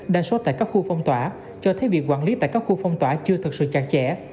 đa số tại các khu phong tỏa cho thấy việc quản lý tại các khu phong tỏa chưa thực sự chặt chẽ